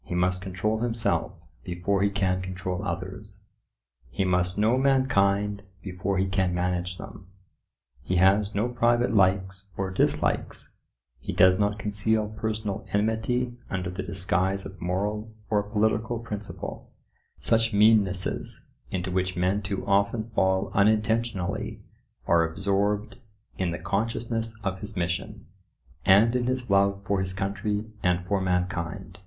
He must control himself before he can control others; he must know mankind before he can manage them. He has no private likes or dislikes; he does not conceal personal enmity under the disguise of moral or political principle: such meannesses, into which men too often fall unintentionally, are absorbed in the consciousness of his mission, and in his love for his country and for mankind.